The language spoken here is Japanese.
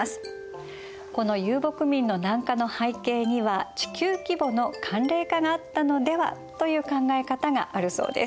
この遊牧民の南下の背景には地球規模の寒冷化があったのではという考え方があるそうです。